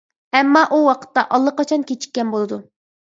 ئەمما ئۇ ۋاقىتتا ئاللىقاچان كىچىككەن بولىدۇ.